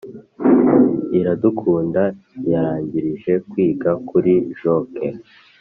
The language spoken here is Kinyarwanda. Iradukunda yarangirije kwiga kuri joke